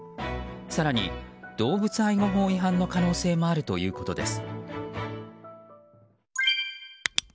更に、動物愛護法違反の可能性もあるということです。